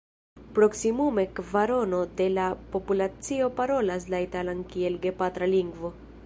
Proksimume kvarono de la populacio parolas la italan kiel gepatra lingvo.